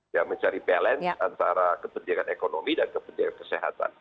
ya mencari balance antara kepentingan ekonomi dan kepentingan kesehatan